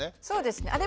そうですね。